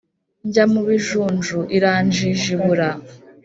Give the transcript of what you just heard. Njya mu bijunju iranjijibura!